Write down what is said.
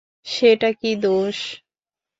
সেটা কি দোস?